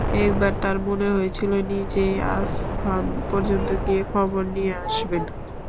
একবার তার মনে হয়েছিল, নিজেই আসফান পর্যন্ত গিয়ে খবর নিয়ে আসবেন।